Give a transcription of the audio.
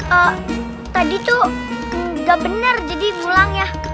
eh tadi tuh gak bener jadi mulang ya